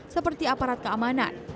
seperti aparat keamanan